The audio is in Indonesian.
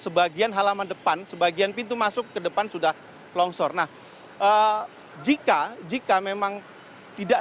sebagian halaman depan sebagian pintu masuk ke depan sudah longsor nah jika memang tidak